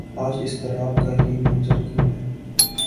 آج اضطراب کا یہ منظر کیوں ہے؟